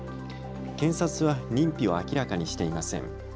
検察は認否を明らかにしていません。